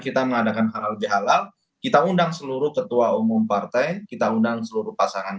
kita mengadakan halal bihalal kita undang seluruh ketua umum partai kita undang seluruh pasangan